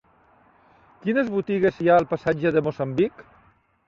Quines botigues hi ha al passatge de Moçambic?